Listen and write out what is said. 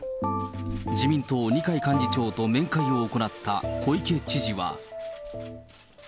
自民党、二階幹事長と面会を行った小池知事は。